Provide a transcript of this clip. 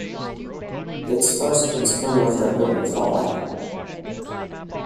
Its first principal was W. L. Fromein.